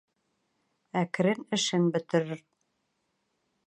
Әкрен эшен бөтөрөр.